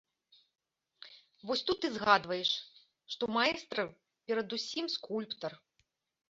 Вось тут і згадваеш, што маэстра перадусім скульптар.